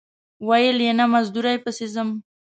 ویل یې نه مزدورۍ پسې ځم.